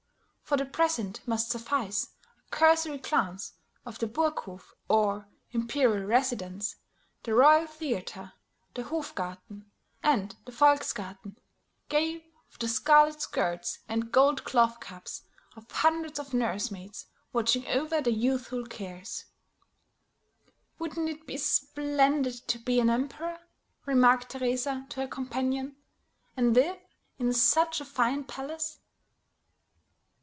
For the present must suffice a cursory glance at the Burghof or imperial residence, the royal theatre, the Hofgarten and the Volksgarten, gay with the scarlet skirts and gold cloth caps of hundreds of nurse maids watching over their youthful cares. "Wouldn't it be splendid to be an emperor," remarked Teresa to her companion, "and live in such a fine palace?"